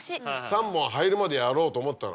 ３本入るまでやろうと思ったの。